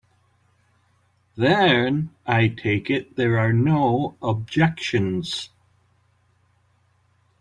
Then I take it there are no objections.